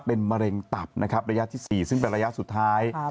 เป็นมะเร็งตับนะครับระยะที่๔ซึ่งเป็นระยะสุดท้าย